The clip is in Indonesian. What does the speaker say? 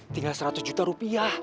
tinggal seratus juta rupiah